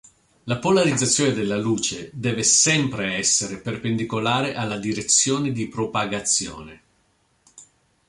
La polarizzazione della luce deve sempre essere perpendicolare alla direzione di propagazione.